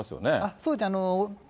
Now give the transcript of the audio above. そうですね。